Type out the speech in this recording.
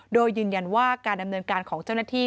โดยยืนยันว่าการดำเนินการของเจ้าหน้าที่